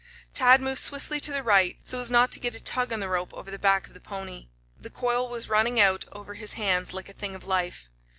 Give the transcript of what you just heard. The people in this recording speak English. Tad moved swiftly to the right, so as not to get a tug on the rope over the back of the pony. The coil was running out over his hands like a thing of life.